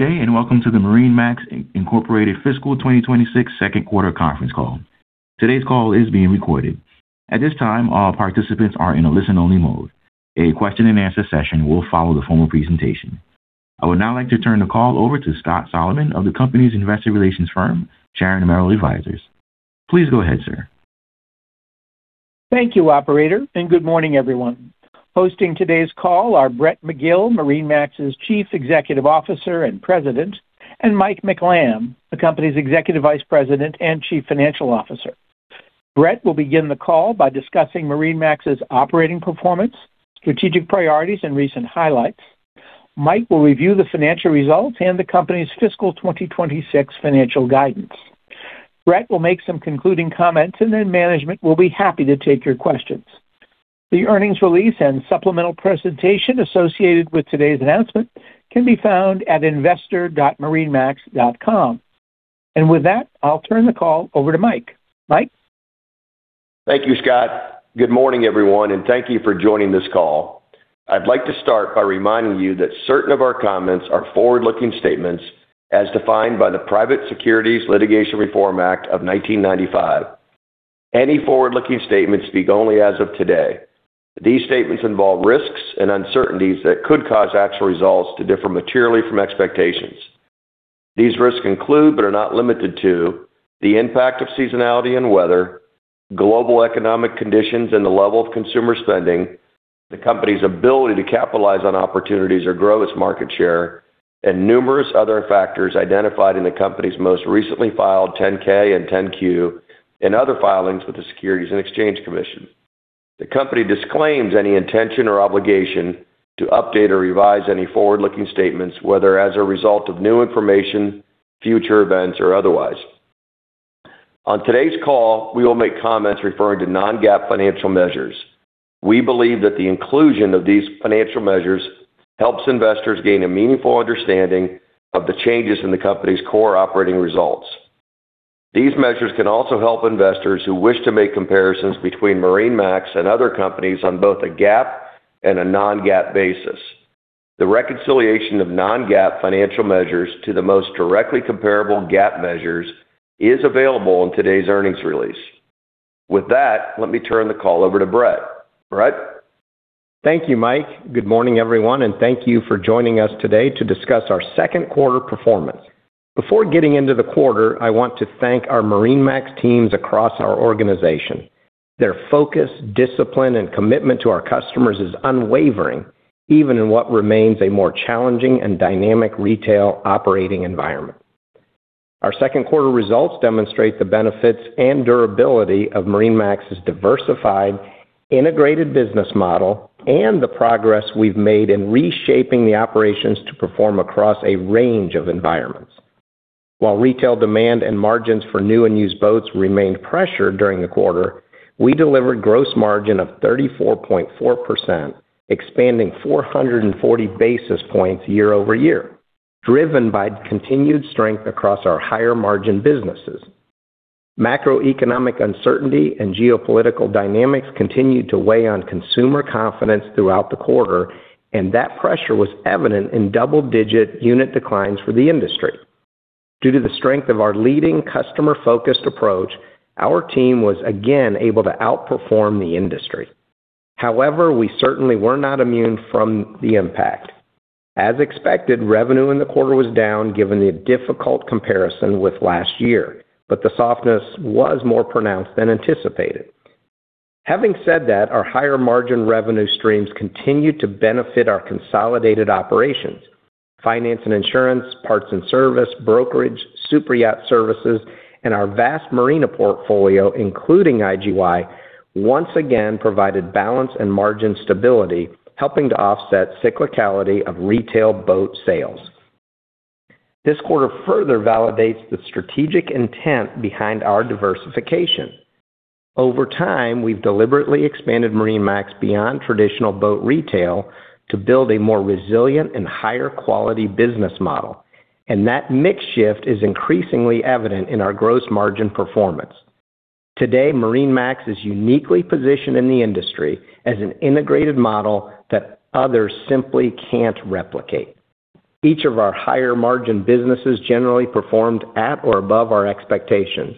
Good day, and welcome to the MarineMax, Incorporated Fiscal 2026 Second Quarter Conference Call. Today's call is being recorded. At this time, all participants are in a listen-only mode. A question-and-answer session will follow the formal presentation. I would now like to turn the call over to Scott Solomon of the company's investor relations firm, Sharon Merrill Advisors. Please go ahead, sir. Thank you, operator, and good morning, everyone. Hosting today's call are Brett McGill, MarineMax's Chief Executive Officer and President, and Mike McLamb, the company's Executive Vice President and Chief Financial Officer. Brett will begin the call by discussing MarineMax's operating performance, strategic priorities, and recent highlights. Mike will review the financial results and the company's fiscal 2026 financial guidance. Brett will make some concluding comments, and then management will be happy to take your questions. The earnings release and supplemental presentation associated with today's announcement can be found at investor.marinemax.com. With that, I'll turn the call over to Mike. Mike? Thank you, Scott. Good morning, everyone, and thank you for joining this call. I'd like to start by reminding you that certain of our comments are forward-looking statements as defined by the Private Securities Litigation Reform Act of 1995. Any forward-looking statements speak only as of today. These statements involve risks and uncertainties that could cause actual results to differ materially from expectations. These risks include, but are not limited to, the impact of seasonality and weather, global economic conditions, and the level of consumer spending, the company's ability to capitalize on opportunities or grow its market share, and numerous other factors identified in the company's most recently filed 10-K and 10-Q and other filings with the Securities and Exchange Commission. The company disclaims any intention or obligation to update or revise any forward-looking statements, whether as a result of new information, future events, or otherwise. On today's call, we will make comments referring to non-GAAP financial measures. We believe that the inclusion of these financial measures helps investors gain a meaningful understanding of the changes in the company's core operating results. These measures can also help investors who wish to make comparisons between MarineMax and other companies on both a GAAP and a non-GAAP basis. The reconciliation of non-GAAP financial measures to the most directly comparable GAAP measures is available in today's earnings release. With that, let me turn the call over to Brett. Brett? Thank you, Mike. Good morning, everyone, and thank you for joining us today to discuss our second quarter performance. Before getting into the quarter, I want to thank our MarineMax teams across our organization. Their focus, discipline, and commitment to our customers is unwavering, even in what remains a more challenging and dynamic retail operating environment. Our second quarter results demonstrate the benefits and durability of MarineMax's diversified, integrated business model and the progress we've made in reshaping the operations to perform across a range of environments. While retail demand and margins for new and used boats remained pressured during the quarter, we delivered gross margin of 34.4%, expanding 440 basis points year-over-year, driven by continued strength across our higher-margin businesses. Macroeconomic uncertainty and geopolitical dynamics continued to weigh on consumer confidence throughout the quarter, and that pressure was evident in double-digit unit declines for the industry. Due to the strength of our leading customer-focused approach, our team was again able to outperform the industry. However, we certainly were not immune from the impact. As expected, revenue in the quarter was down, given the difficult comparison with last year, but the softness was more pronounced than anticipated. Having said that, our higher-margin revenue streams continued to benefit our consolidated operations. Finance and insurance, parts and service, brokerage, superyacht services, and our vast marina portfolio, including IGY, once again provided balance and margin stability, helping to offset cyclicality of retail boat sales. This quarter further validates the strategic intent behind our diversification. Over time, we've deliberately expanded MarineMax beyond traditional boat retail to build a more resilient and higher-quality business model, and that mix shift is increasingly evident in our gross margin performance. Today, MarineMax is uniquely positioned in the industry as an integrated model that others simply can't replicate. Each of our higher-margin businesses generally performed at or above our expectations.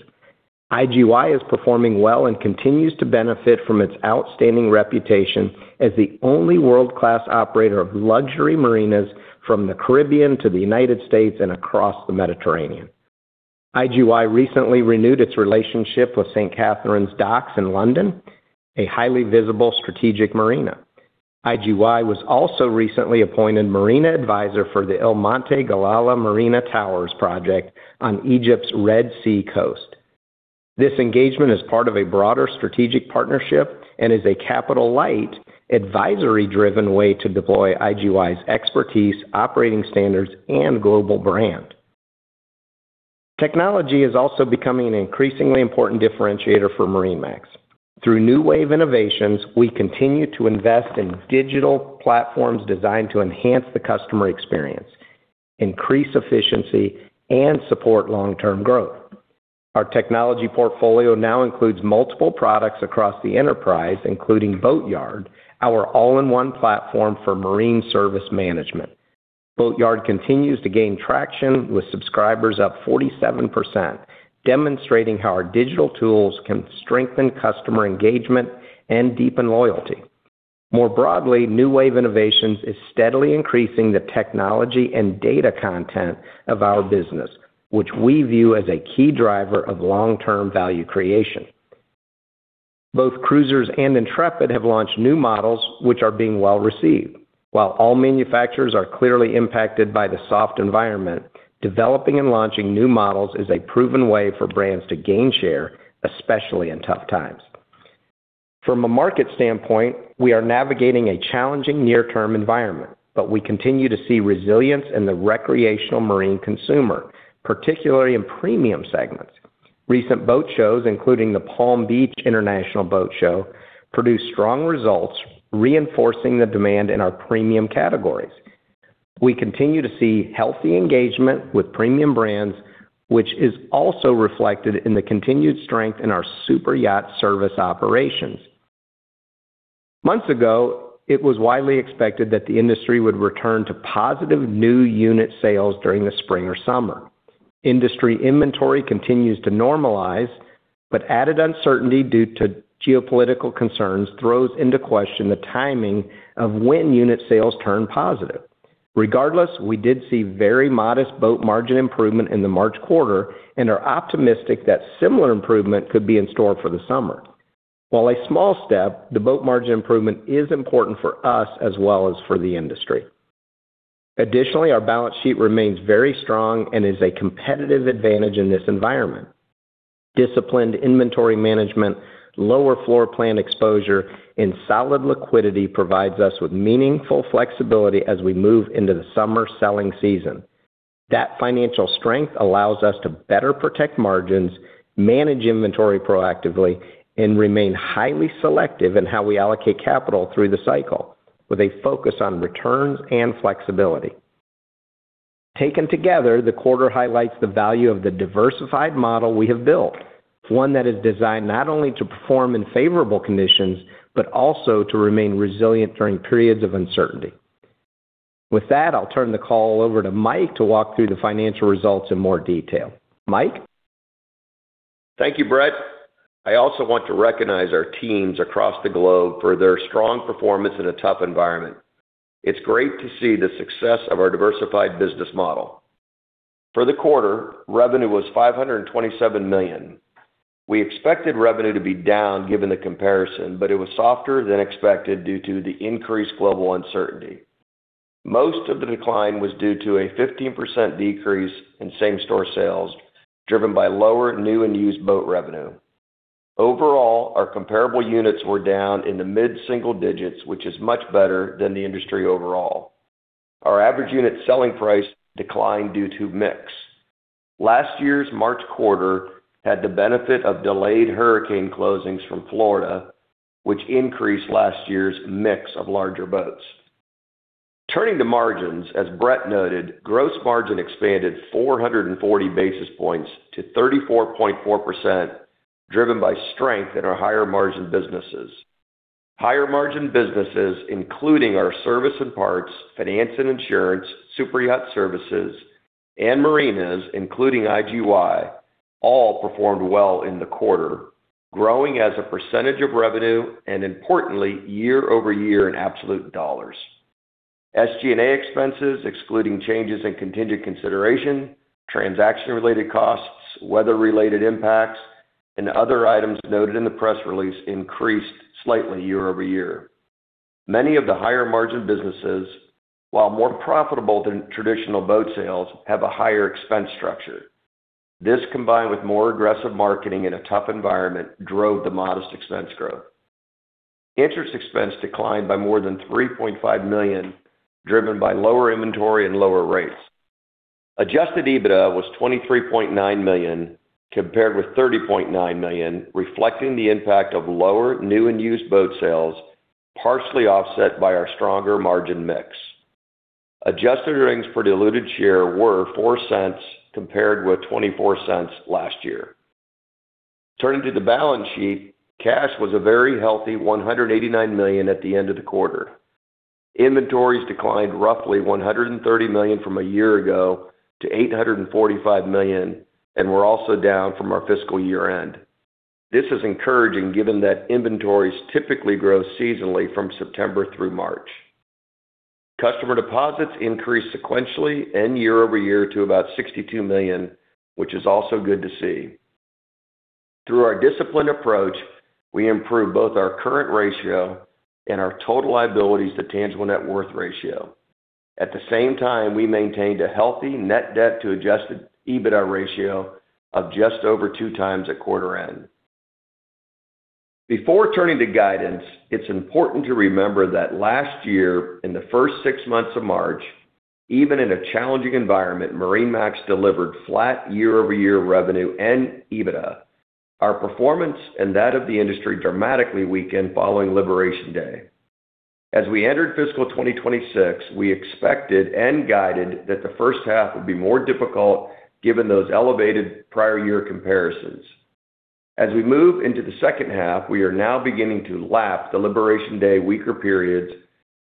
IGY is performing well and continues to benefit from its outstanding reputation as the only world-class operator of luxury marinas from the Caribbean to the United States and across the Mediterranean. IGY recently renewed its relationship with St. Katharine Docks in London, a highly visible strategic marina. IGY was also recently appointed marina advisor for the Il Monte Galala Towers and Marina project on Egypt's Red Sea coast. This engagement is part of a broader strategic partnership and is a capital-light, advisory-driven way to deploy IGY's expertise, operating standards, and global brand. Technology is also becoming an increasingly important differentiator for MarineMax. Through New Wave Innovations, we continue to invest in digital platforms designed to enhance the customer experience, increase efficiency, and support long-term growth. Our technology portfolio now includes multiple products across the enterprise, including Boatyard, our all-in-one platform for marine service management. Boatyard continues to gain traction, with subscribers up 47%, demonstrating how our digital tools can strengthen customer engagement and deepen loyalty. More broadly, New Wave Innovations is steadily increasing the technology and data content of our business, which we view as a key driver of long-term value creation. Both Cruisers and Intrepid have launched new models, which are being well-received. While all manufacturers are clearly impacted by the soft environment, developing and launching new models is a proven way for brands to gain share, especially in tough times. From a market standpoint, we are navigating a challenging near-term environment, but we continue to see resilience in the recreational marine consumer, particularly in premium segments. Recent boat shows, including the Palm Beach International Boat Show, produced strong results, reinforcing the demand in our premium categories. We continue to see healthy engagement with premium brands, which is also reflected in the continued strength in our superyacht service operations. Months ago, it was widely expected that the industry would return to positive new unit sales during the spring or summer. Industry inventory continues to normalize, but added uncertainty due to geopolitical concerns throws into question the timing of when unit sales turn positive. Regardless, we did see very modest boat margin improvement in the March quarter and are optimistic that similar improvement could be in store for the summer. While a small step, the boat margin improvement is important for us as well as for the industry. Additionally, our balance sheet remains very strong and is a competitive advantage in this environment. Disciplined inventory management, lower floor plan exposure, and solid liquidity provides us with meaningful flexibility as we move into the summer selling season. That financial strength allows us to better protect margins, manage inventory proactively, and remain highly selective in how we allocate capital through the cycle, with a focus on returns and flexibility. Taken together, the quarter highlights the value of the diversified model we have built. One that is designed not only to perform in favorable conditions, but also to remain resilient during periods of uncertainty. With that, I'll turn the call over to Mike to walk through the financial results in more detail. Mike? Thank you, Brett. I also want to recognize our teams across the globe for their strong performance in a tough environment. It's great to see the success of our diversified business model. For the quarter, revenue was $527 million. We expected revenue to be down given the comparison, but it was softer than expected due to the increased global uncertainty. Most of the decline was due to a 15% decrease in same-store sales, driven by lower new and used boat revenue. Overall, our comparable units were down in the mid-single digits, which is much better than the industry overall. Our average unit selling price declined due to mix. Last year's March quarter had the benefit of delayed hurricane closings from Florida, which increased last year's mix of larger boats. Turning to margins, as Brett noted, gross margin expanded 440 basis points to 34.4%, driven by strength in our higher-margin businesses. Higher-margin businesses, including our service and parts, finance and insurance, superyacht services, and marinas, including IGY, all performed well in the quarter, growing as a percentage of revenue and importantly, year-over-year in absolute dollars. SG&A expenses excluding changes in contingent consideration, transaction-related costs, weather-related impacts, and other items noted in the press release increased slightly year-over-year. Many of the higher-margin businesses, while more profitable than traditional boat sales, have a higher expense structure. This, combined with more aggressive marketing in a tough environment, drove the modest expense growth. Interest expense declined by more than $3.5 million, driven by lower inventory and lower rates. Adjusted EBITDA was $23.9 million, compared with $30.9 million, reflecting the impact of lower new and used boat sales, partially offset by our stronger margin mix. Adjusted earnings per diluted share were $0.04 compared with $0.24 last year. Turning to the balance sheet, cash was a very healthy $189 million at the end of the quarter. Inventories declined roughly $130 million from a year ago to $845 million and were also down from our fiscal year-end. This is encouraging given that inventories typically grow seasonally from September through March. Customer deposits increased sequentially and year-over-year to about $62 million, which is also good to see. Through our disciplined approach, we improved both our current ratio and our total liabilities to tangible net worth ratio. At the same time, we maintained a healthy net debt to adjusted EBITDA ratio of just over 2x at quarter end. Before turning to guidance, it's important to remember that last year, in the first six months of March, even in a challenging environment, MarineMax delivered flat year-over-year revenue and EBITDA. Our performance and that of the industry dramatically weakened following Labor Day. As we entered fiscal 2026, we expected and guided that the first half would be more difficult, given those elevated prior year comparisons. As we move into the second half, we are now beginning to lap the Labor Day weaker periods,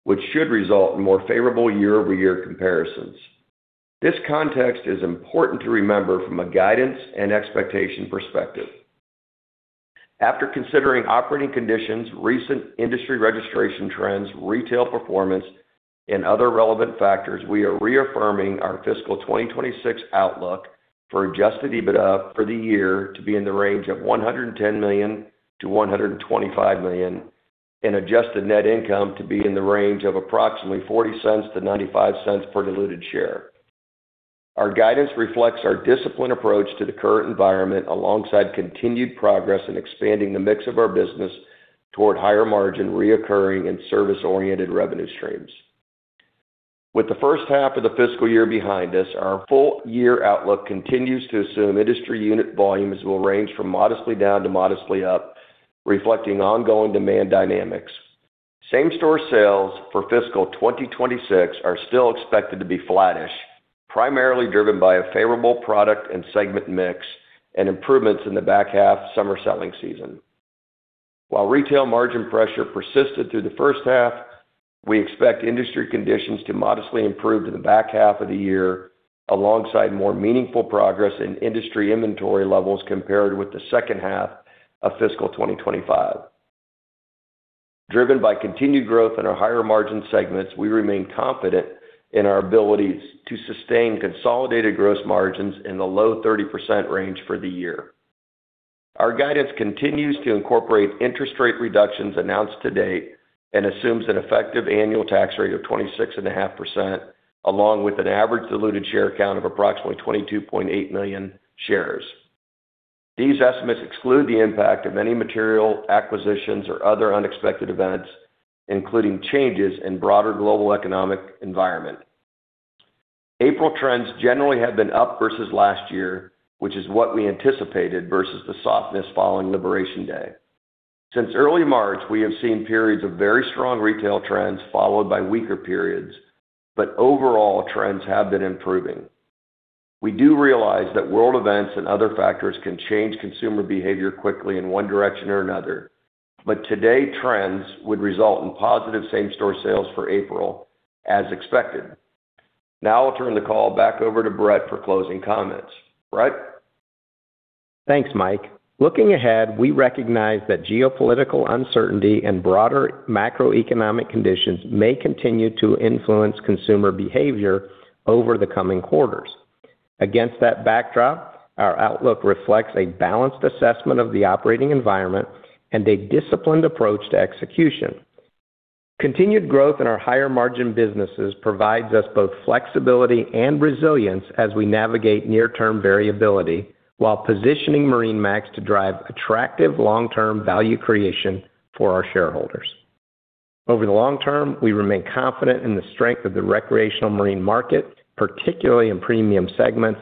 which should result in more favorable year-over-year comparisons. This context is important to remember from a guidance and expectation perspective. After considering operating conditions, recent industry registration trends, retail performance, and other relevant factors, we are reaffirming our fiscal 2026 outlook for adjusted EBITDA for the year to be in the range of $110 million-$125 million, and adjusted net income to be in the range of approximately $0.40-$0.95 per diluted share. Our guidance reflects our disciplined approach to the current environment, alongside continued progress in expanding the mix of our business toward higher margin recurring and service-oriented revenue streams. With the first half of the fiscal year behind us, our full year outlook continues to assume industry unit volumes will range from modestly down to modestly up, reflecting ongoing demand dynamics. Same-store sales for fiscal 2026 are still expected to be flattish, primarily driven by a favorable product and segment mix, and improvements in the back half summer selling season. While retail margin pressure persisted through the first half, we expect industry conditions to modestly improve to the back half of the year, alongside more meaningful progress in industry inventory levels compared with the second half of fiscal 2025. Driven by continued growth in our higher margin segments, we remain confident in our abilities to sustain consolidated gross margins in the low 30% range for the year. Our guidance continues to incorporate interest rate reductions announced to date, and assumes an effective annual tax rate of 26.5%, along with an average diluted share count of approximately 22.8 million shares. These estimates exclude the impact of any material acquisitions or other unexpected events, including changes in broader global economic environment. April trends generally have been up versus last year, which is what we anticipated versus the softness following Liberation Day. Since early March, we have seen periods of very strong retail trends followed by weaker periods, but overall trends have been improving. We do realize that world events and other factors can change consumer behavior quickly in one direction or another, but today's trends would result in positive same-store sales for April, as expected. Now I'll turn the call back over to Brett for closing comments. Brett? Thanks, Mike. Looking ahead, we recognize that geopolitical uncertainty and broader macroeconomic conditions may continue to influence consumer behavior over the coming quarters. Against that backdrop, our outlook reflects a balanced assessment of the operating environment and a disciplined approach to execution. Continued growth in our higher margin businesses provides us both flexibility and resilience as we navigate near-term variability, while positioning MarineMax to drive attractive long-term value creation for our shareholders. Over the long term, we remain confident in the strength of the recreational marine market, particularly in premium segments,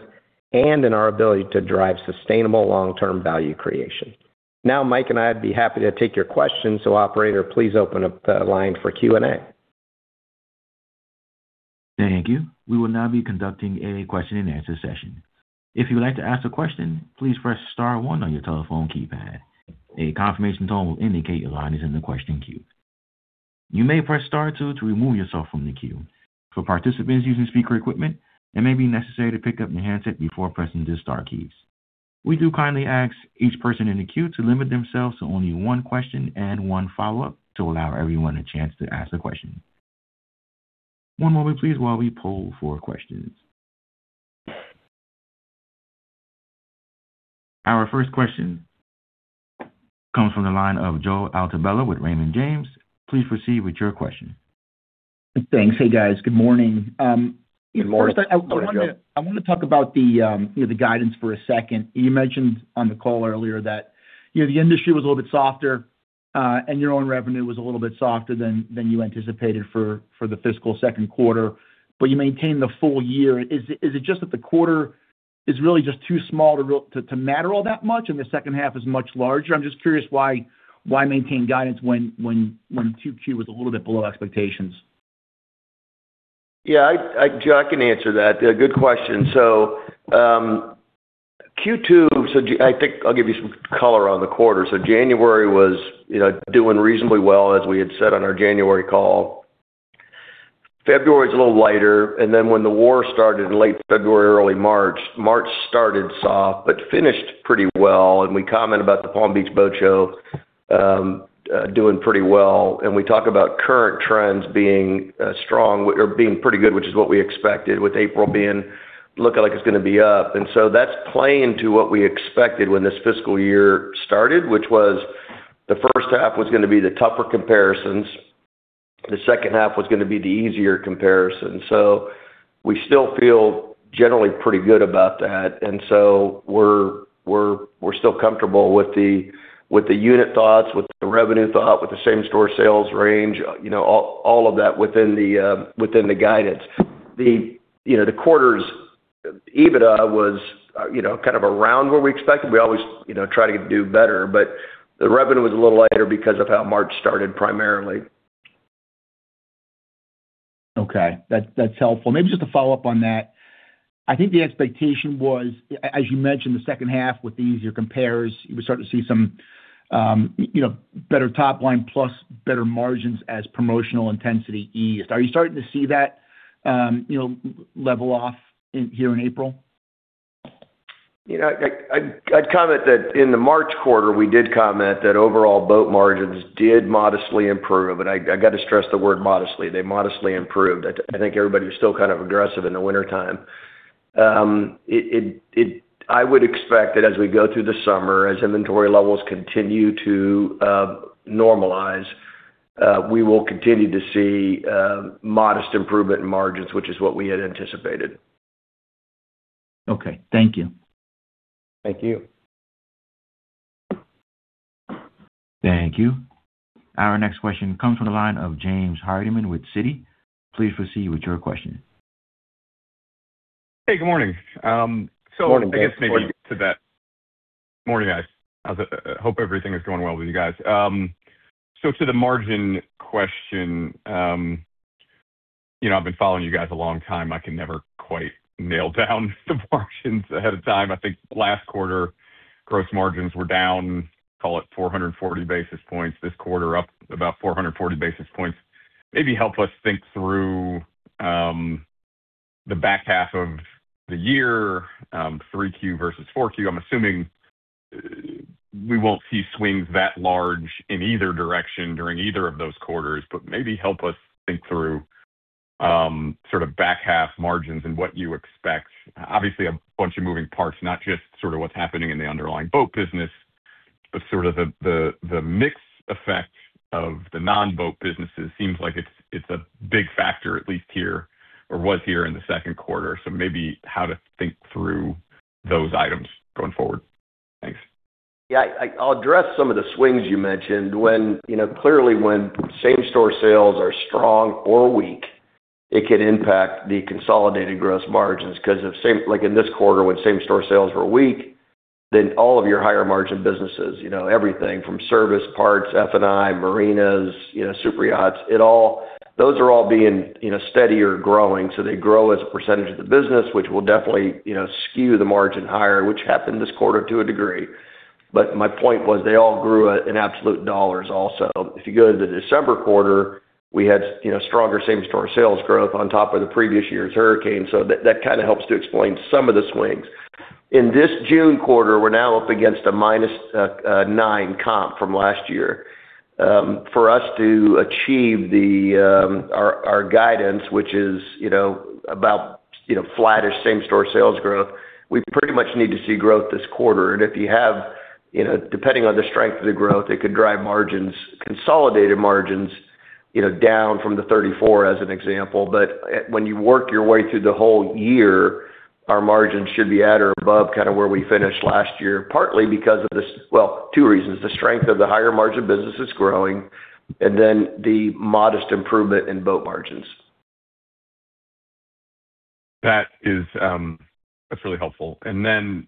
and in our ability to drive sustainable long-term value creation. Now, Mike and I'd be happy to take your questions, so operator, please open up the line for Q&A. Thank you. We will now be conducting a question-and-answer session. If you would like to ask a question, please press star one on your telephone keypad. A confirmation tone will indicate your line is in the question queue. You may press star two to remove yourself from the queue. For participants using speaker equipment, it may be necessary to pick up your handset before pressing the star keys. We do kindly ask each person in the queue to limit themselves to only one question and one follow-up to allow everyone a chance to ask a question. One moment please, while we poll for questions. Our first question comes from the line of Joe Altobello with Raymond James. Please proceed with your question. Thanks. Hey guys, good morning. Good morning, Joe. First, I want to talk about the guidance for a second. You mentioned on the call earlier that the industry was a little bit softer, and your own revenue was a little bit softer than you anticipated for the fiscal second quarter, but you maintained the full year. Is it just that the quarter is really just too small to matter all that much and the second half is much larger? I'm just curious why maintain guidance when 2Q was a little bit below expectations? Yeah, Joe, I can answer that. Good question. Q2, I'll give you some color on the quarter. January was doing reasonably well, as we had said on our January call. February was a little lighter, and then when the war started in late February, early March started soft, but finished pretty well, and we commented about the Palm Beach Boat Show doing pretty well. We talked about current trends being strong or being pretty good, which is what we expected with April looking like it's going to be up. That's playing to what we expected when this fiscal year started, which was the first half was going to be the tougher comparisons. The second half was going to be the easier comparison. We still feel generally pretty good about that. We're still comfortable with the unit thoughts, with the revenue thought, with the same store sales range, all of that within the guidance. The quarter's EBITDA was kind of around where we expected. We always try to do better, but the revenue was a little lighter because of how March started, primarily. Okay. That's helpful. Maybe just to follow up on that, I think the expectation was, as you mentioned, the second half with the easier compares, we start to see some better top line plus better margins as promotional intensity eased. Are you starting to see that level off here in April? I'd comment that in the March quarter, we did comment that overall boat margins did modestly improve, and I got to stress the word modestly. They modestly improved. I think everybody was still kind of aggressive in the wintertime. I would expect that as we go through the summer, as inventory levels continue to normalize, we will continue to see modest improvement in margins, which is what we had anticipated. Okay. Thank you. Thank you. Thank you. Our next question comes from the line of James Hardiman with Citi. Please proceed with your question. Hey, good morning. Good morning. Morning, guys. Hope everything is going well with you guys. To the margin question, I've been following you guys a long time, I can never quite nail down the margins ahead of time. I think last quarter, gross margins were down, call it 440 basis points. This quarter up about 440 basis points. Maybe help us think through the back half of the year, 3Q versus 4Q. I'm assuming we won't see swings that large in either direction during either of those quarters, but maybe help us think through sort of back half margins and what you expect. Obviously, a bunch of moving parts, not just sort of what's happening in the underlying boat business, but sort of the mix effect of the non-boat businesses seems like it's a big factor, at least here, or was here in the second quarter. Maybe how to think through those items going forward. Thanks. Yeah. I'll address some of the swings you mentioned. Clearly, when same-store sales are strong or weak, it can impact the consolidated gross margins, because like in this quarter, when same-store sales were weak, then all of your higher margin businesses, everything from service, parts, F&I, marinas, super yachts, those are all being steadily growing. So they grow as a percentage of the business, which will definitely skew the margin higher, which happened this quarter to a degree. My point was they all grew in absolute dollars also. If you go to the December quarter, we had stronger same-store sales growth on top of the previous year's hurricane. That kind of helps to explain some of the swings. In this June quarter, we're now up against a -9 comp from last year. For us to achieve our guidance, which is about flatish same-store sales growth, we pretty much need to see growth this quarter, and depending on the strength of the growth, it could drive margins, consolidated margins, down from the 34% as an example. When you work your way through the whole year, our margins should be at or above kind of where we finished last year, partly because of this, well, two reasons, the strength of the higher margin businesses growing and then the modest improvement in boat margins. That's really helpful. Then,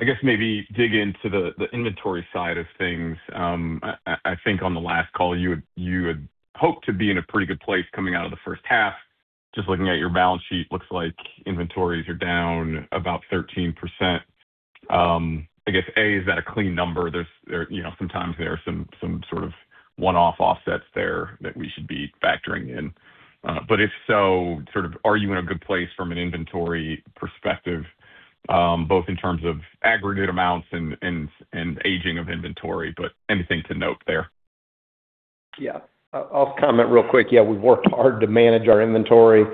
I guess maybe dig into the inventory side of things. I think on the last call, you had hoped to be in a pretty good place coming out of the first half. Just looking at your balance sheet, looks like inventories are down about 13%. I guess, A, is that a clean number? Sometimes there are some sort of one-off offsets there that we should be factoring in. If so, sort of are you in a good place from an inventory perspective, both in terms of aggregate amounts and aging of inventory, but anything to note there? Yeah. I'll comment real quick. Yeah, we've worked hard to manage our inventory.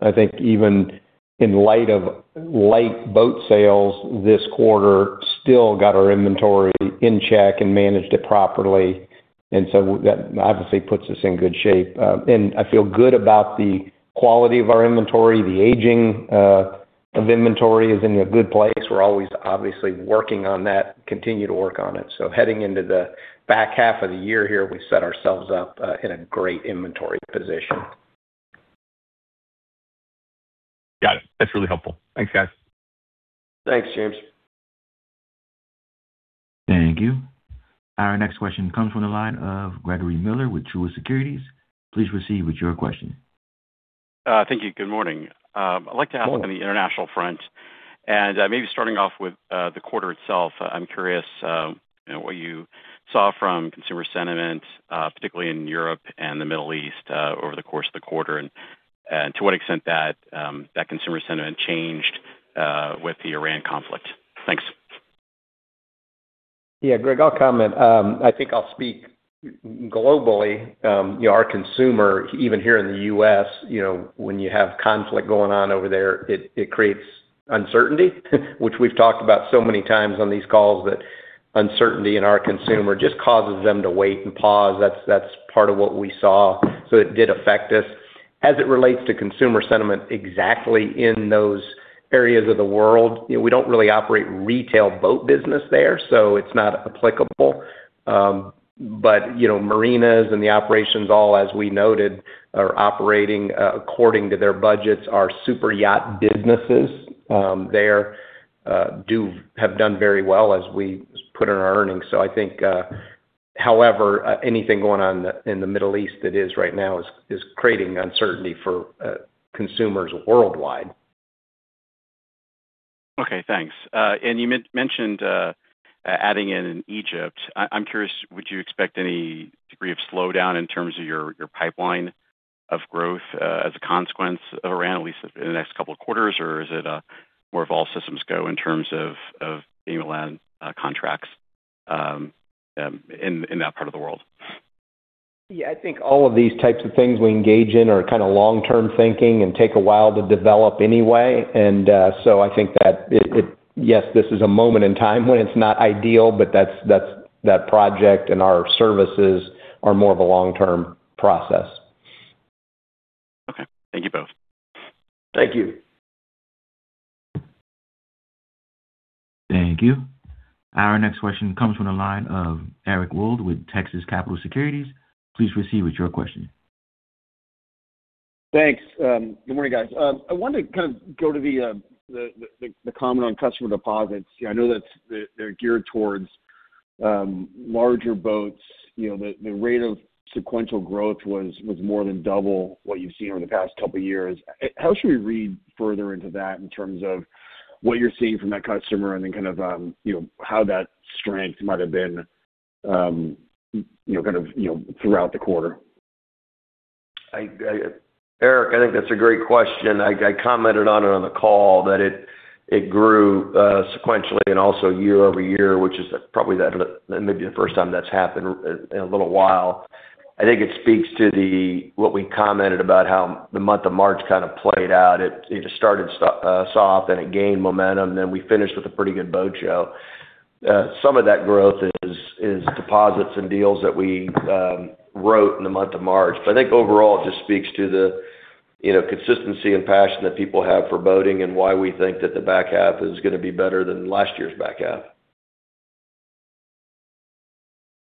I think even in light of light boat sales this quarter, still got our inventory in check and managed it properly, and so that obviously puts us in good shape. I feel good about the quality of our inventory. The aging of inventory is in a good place. We're always obviously working on that, continue to work on it. Heading into the back half of the year here, we set ourselves up in a great inventory position. Got it. That's really helpful. Thanks, guys. Thanks, James. Thank you. Our next question comes from the line of Gregory Miller with Truist Securities. Please proceed with your question. Thank you. Good morning. I'd like to ask on the international front, and maybe starting off with the quarter itself, I'm curious what you saw from consumer sentiment, particularly in Europe and the Middle East over the course of the quarter, and to what extent that consumer sentiment changed with the Iran conflict. Thanks. Yeah. Greg, I'll comment. I think I'll speak globally. Our consumer, even here in the U.S., when you have conflict going on over there, it creates uncertainty, which we've talked about so many times on these calls, that uncertainty in our consumer just causes them to wait and pause. That's part of what we saw, so it did affect us. As it relates to consumer sentiment exactly in those areas of the world, we don't really operate retail boat business there, so it's not applicable. But marinas and the operations, all as we noted, are operating according to their budgets. Our superyacht businesses there have done very well as we sort of put in our earnings. I think, however, anything going on in the Middle East right now is creating uncertainty for consumers worldwide. Okay, thanks. You mentioned adding in Egypt. I'm curious, would you expect any degree of slowdown in terms of your pipeline of growth as a consequence of Iran, at least in the next couple of quarters? Or is it more of all systems go in terms of new land contracts in that part of the world? Yeah, I think all of these types of things we engage in are kind of long-term thinking and take a while to develop anyway. I think that yes, this is a moment in time when it's not ideal, but that project and our services are more of a long-term process. Okay. Thank you both. Thank you. Thank you. Our next question comes from the line of Eric Wold with Texas Capital Securities. Please proceed with your question. Thanks. Good morning, guys. I wanted to kind of go to the comment on customer deposits. I know that they're geared towards larger boats. The rate of sequential growth was more than double what you've seen over the past couple of years. How should we read further into that in terms of what you're seeing from that customer, and then kind of how that strength might have been throughout the quarter? Eric, I think that's a great question. I commented on it on the call that it grew sequentially and also year-over-year, which is probably maybe the first time that's happened in a little while. I think it speaks to what we commented about how the month of March kind of played out. It just started soft, and it gained momentum. We finished with a pretty good boat show. Some of that growth is deposits and deals that we wrote in the month of March. I think overall, it just speaks to the consistency and passion that people have for boating and why we think that the back half is going to be better than last year's back half.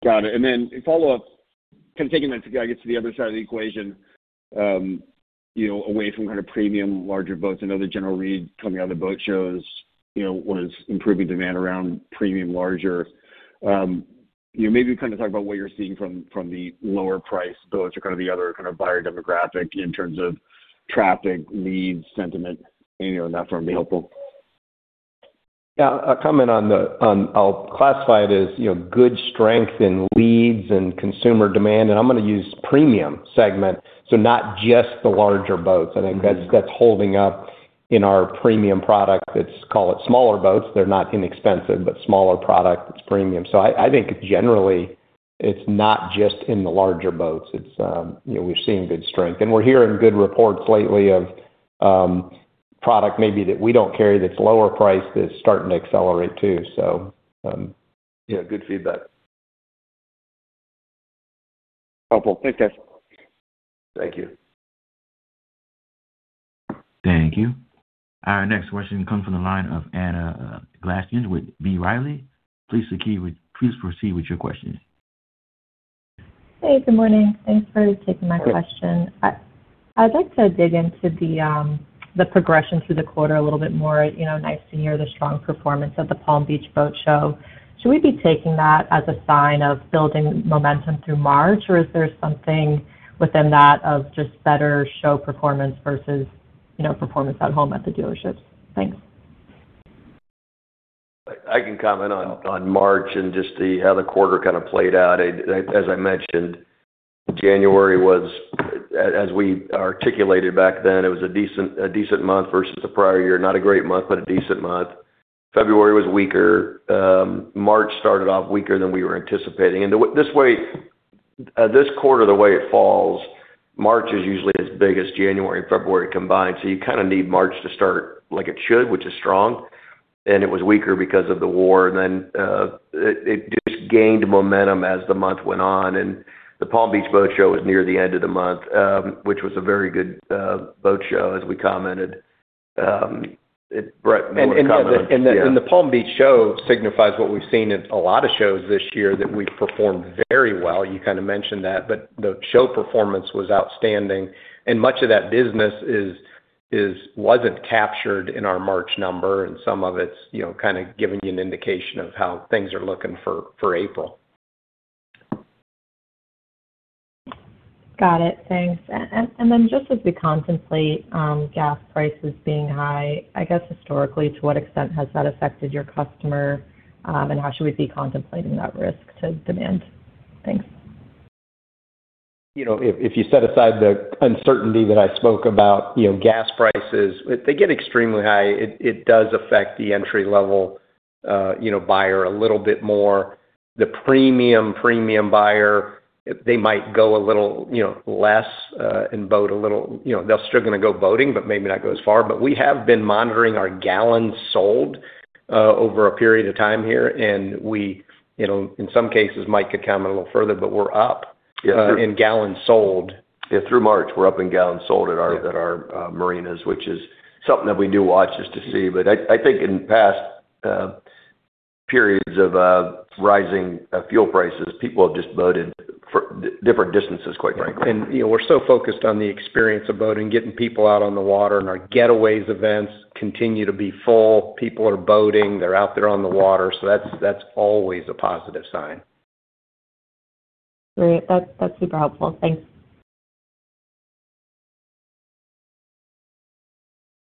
Got it. Then a follow-up, kind of taking that to, I guess, the other side of the equation, away from kind of premium larger boats. I know the general read coming out of the boat shows was improving demand around premium larger. Maybe kind of talk about what you're seeing from the lower price boats or kind of the other kind of buyer demographic in terms of traffic, leads, sentiment, any of that for me helpful? Yeah. I'll comment on. I'll classify it as good strength in leads and consumer demand, and I'm going to use premium segment, so not just the larger boats. I think that's holding up in our premium product that's, call it smaller boats. They're not inexpensive, but smaller product that's premium. I think generally, it's not just in the larger boats. We're seeing good strength. We're hearing good reports lately of product maybe that we don't carry that's lower price, that's starting to accelerate, too. Yeah, good feedback. Helpful. Thanks, guys. Thank you. Thank you. Our next question comes from the line of Anna Glaessgen with B. Riley. Please proceed with your questions. Hey, good morning. Thanks for taking my question. I'd like to dig into the progression through the quarter a little bit more. Nice to hear the strong performance at the Palm Beach Boat Show. Should we be taking that as a sign of building momentum through March, or is there something within that of just better show performance versus performance at home at the dealerships? Thanks. I can comment on March and just how the quarter kind of played out. As I mentioned, January was, as we articulated back then, it was a decent month versus the prior year. Not a great month, but a decent month. February was weaker. March started off weaker than we were anticipating. This quarter, the way it falls, March is usually as big as January and February combined. You kind of need March to start like it should, which is strong. It was weaker because of the war. Then, it just gained momentum as the month went on. The Palm Beach Boat Show was near the end of the month, which was a very good boat show, as we commented. Brett, you want to comment on this? Yeah. The Palm Beach show signifies what we've seen in a lot of shows this year, that we've performed very well. You kind of mentioned that, but the show performance was outstanding and much of that business wasn't captured in our March number, and some of it's kind of giving you an indication of how things are looking for April. Got it. Thanks. Just as we contemplate gas prices being high, I guess historically, to what extent has that affected your customer? How should we be contemplating that risk to demand? Thanks. If you set aside the uncertainty that I spoke about, gas prices, if they get extremely high, it does affect the entry-level buyer a little bit more. The premium buyer, they might go a little less and they're still going to go boating, but maybe not go as far. We have been monitoring our gallons sold, over a period of time here, and we, in some cases, Mike could comment a little further, but we're up in gallons sold. Yeah, through March, we're up in gallons sold at our marinas, which is something that we do watch just to see. I think in past periods of rising fuel prices, people have just boated different distances, quite frankly. We're so focused on the experience of boating, getting people out on the water, and our getaways events continue to be full. People are boating. They're out there on the water. That's always a positive sign. Great. That's super helpful. Thanks.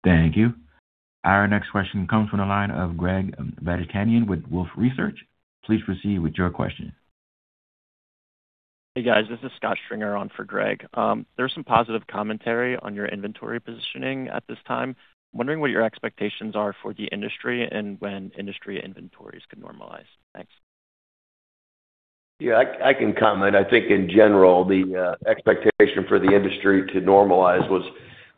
Thank you. Our next question comes from the line of Greg Badishkanian with Wolfe Research. Please proceed with your question. Hey, guys. This is Scott Stringer on for Greg. There's some positive commentary on your inventory positioning at this time. I'm wondering what your expectations are for the industry and when industry inventories could normalize. Thanks. Yeah, I can comment. I think in general, the expectation for the industry to normalize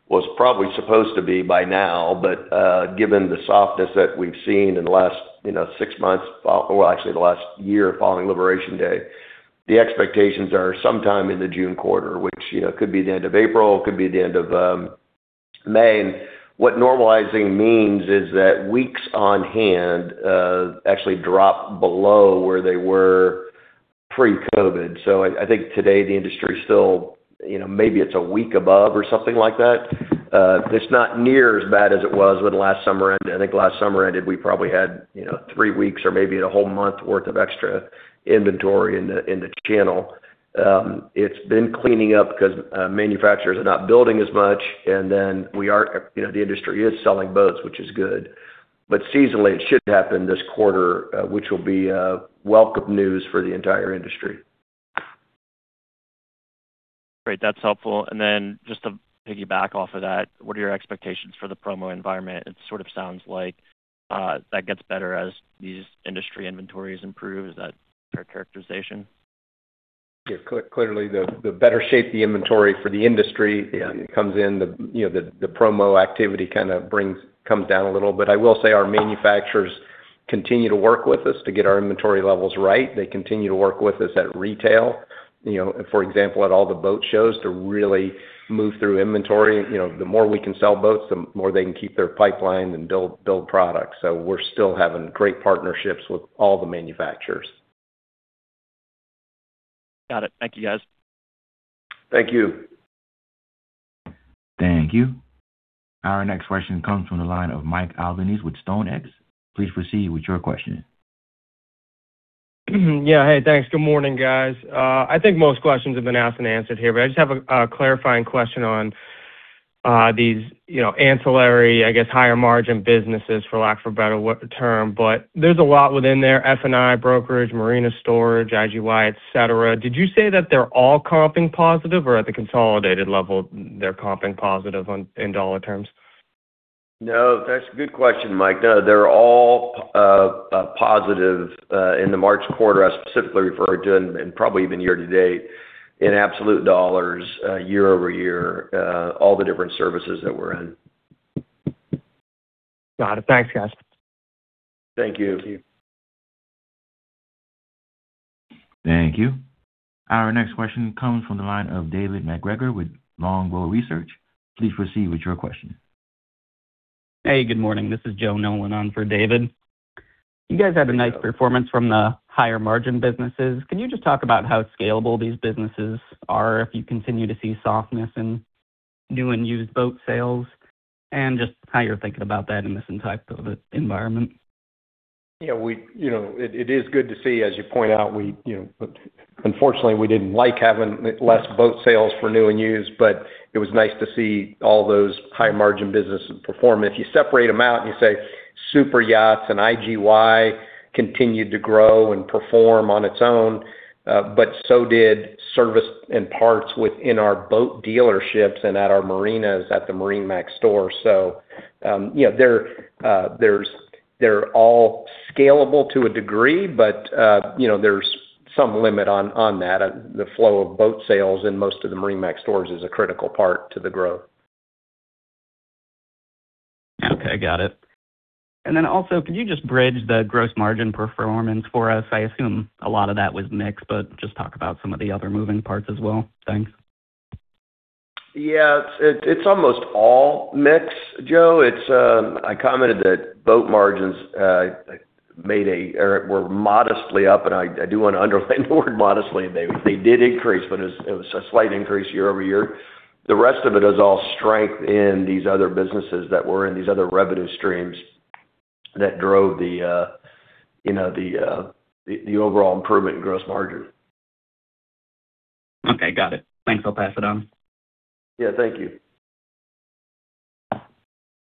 was probably supposed to be by now, but given the softness that we've seen in the last six months, well, actually the last year following Liberation Day, the expectations are sometime in the June quarter, which could be the end of April, could be the end of May. What normalizing means is that weeks on hand actually drop below where they were pre-COVID. So I think today the industry is still maybe it's a week above or something like that. It's not near as bad as it was when last summer ended. I think last summer ended, we probably had three weeks or maybe a whole month worth of extra inventory in the channel. It's been cleaning up because manufacturers are not building as much, and then the industry is selling boats, which is good. Seasonally, it should happen this quarter, which will be welcome news for the entire industry. Great. That's helpful. Just to piggyback off of that, what are your expectations for the promo environment? It sort of sounds like that gets better as these industry inventories improve. Is that fair characterization? Yeah. Clearly, the better shape the inventory for the industry comes in, the promo activity kind of comes down a little. I will say our manufacturers continue to work with us to get our inventory levels right. They continue to work with us at retail. For example, at all the boat shows to really move through inventory. The more we can sell boats, the more they can keep their pipeline and build products. We're still having great partnerships with all the manufacturers. Got it. Thank you, guys. Thank you. Thank you. Our next question comes from the line of Mike Albanese with StoneX. Please proceed with your question. Yeah. Hey, thanks. Good morning, guys. I think most questions have been asked and answered here, but I just have a clarifying question on these ancillary, I guess, higher margin businesses, for lack of a better term. There's a lot within there, F&I brokerage, marina storage, IGY, et cetera. Did you say that they're all comping positive? Or at the consolidated level they're comping positive in dollar terms? No, that's a good question, Mike. No, they're all positive in the March quarter, I specifically refer to, and probably even year-to-date, in absolute dollars year-over-year, all the different services that we're in. Got it. Thanks, guys. Thank you. Thank you. Thank you. Our next question comes from the line of David MacGregor with Longbow Research. Please proceed with your question. Hey, good morning. This is Joe Nolan on for David. You guys had a nice performance from the higher margin businesses. Can you just talk about how scalable these businesses are if you continue to see softness in new and used boat sales? Just how you're thinking about that in this type of environment? It is good to see, as you point out, unfortunately, we didn't like having less boat sales for new and used, but it was nice to see all those high margin businesses perform. If you separate them out and you say super yachts and IGY continued to grow and perform on its own. So did service and parts within our boat dealerships and at our marinas at the MarineMax stores. They're all scalable to a degree, but there's some limit on that. The flow of boat sales in most of the MarineMax stores is a critical part to the growth. Okay, got it. Could you just bridge the gross margin performance for us? I assume a lot of that was mix, but just talk about some of the other moving parts as well. Thanks. Yeah. It's almost all mix, Joe. I commented that boat margins were modestly up, and I do want to underline the word modestly. They did increase, but it was a slight increase year-over-year. The rest of it is all strength in these other businesses that were in these other revenue streams that drove the overall improvement in gross margin. Okay, got it. Thanks. I'll pass it on. Yeah, thank you.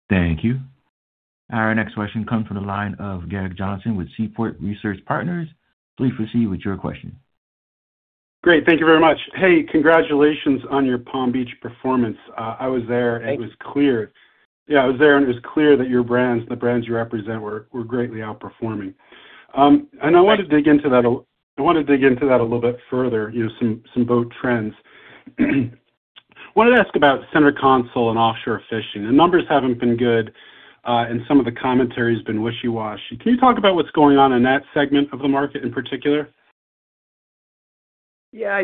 Thank you. Our next question comes from the line of Gerrick Johnson with Seaport Research Partners. Please proceed with your question. Great. Thank you very much. Hey, congratulations on your Palm Beach performance. I was there. Thanks. It was clear. Yeah, I was there, and it was clear that your brands, the brands you represent, were greatly outperforming. I want to dig into that a little bit further, some boat trends. I wanted to ask about center console and offshore fishing. The numbers haven't been good and some of the commentary has been wishy-washy. Can you talk about what's going on in that segment of the market in particular? Yeah.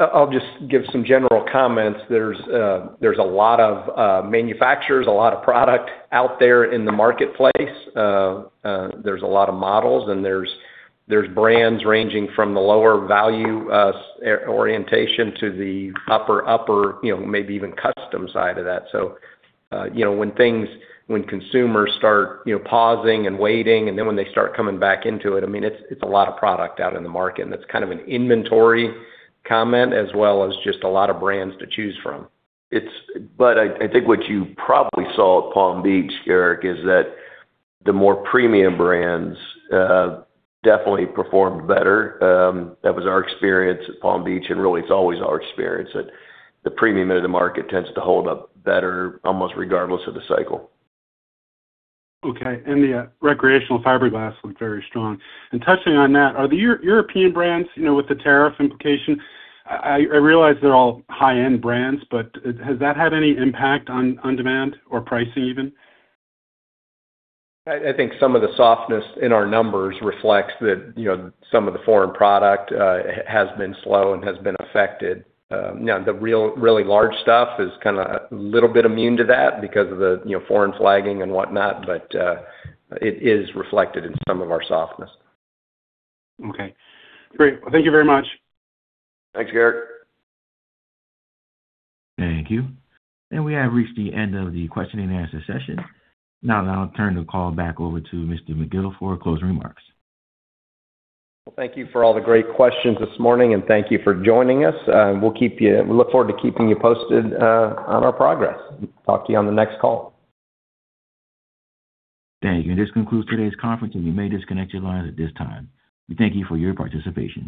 I'll just give some general comments. There's a lot of manufacturers, a lot of product out there in the marketplace. There's a lot of models, and there's brands ranging from the lower value orientation to the upper, maybe even custom side of that. When consumers start pausing and waiting, and then when they start coming back into it's a lot of product out in the market, and that's kind of an inventory comment, as well as just a lot of brands to choose from. I think what you probably saw at Palm Beach, Gerrick, is that the more premium brands definitely performed better. That was our experience at Palm Beach, and really it's always our experience, that the premium end of the market tends to hold up better almost regardless of the cycle. Okay. The recreational fiberglass looked very strong. Touching on that, are the European brands with the tariff implication, I realize they're all high-end brands, but has that had any impact on demand or pricing even? I think some of the softness in our numbers reflects that some of the foreign product has been slow and has been affected. Now, the really large stuff is kind of a little bit immune to that because of the foreign flagging and whatnot, but it is reflected in some of our softness. Okay, great. Thank you very much. Thanks, Gerrick. Thank you. We have reached the end of the question and answer session. Now I'll turn the call back over to Mr. McGill for closing remarks. Well, thank you for all the great questions this morning, and thank you for joining us. We look forward to keeping you posted on our progress. Talk to you on the next call. Thank you. This concludes today's conference, and you may disconnect your lines at this time. We thank you for your participation.